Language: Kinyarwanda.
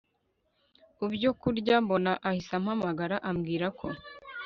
ubyo kurya mbona ahise ampamagara ambwira ko